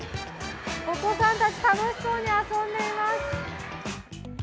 お子さんたち、楽しそうに遊んでいます。